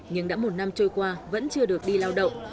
nhưng đã một năm trôi qua vẫn chưa được đi lao động